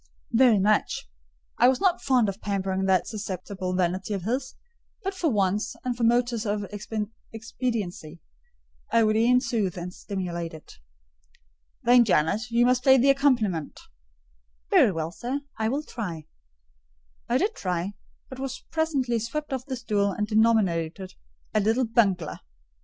"Very much." I was not fond of pampering that susceptible vanity of his; but for once, and from motives of expediency, I would e'en soothe and stimulate it. "Then, Jane, you must play the accompaniment." "Very well, sir, I will try." I did try, but was presently swept off the stool and denominated "a little bungler."